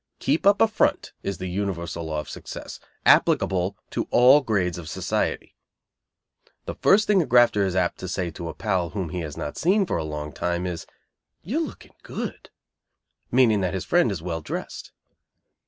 Keep up a "front" is the universal law of success, applicable to all grades of society. The first thing a grafter is apt to say to a pal whom he has not seen for a long time is, "You are looking good," meaning that his friend is well dressed.